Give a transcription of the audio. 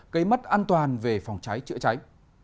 gây mất an toàn về phòng cháy chữa cháy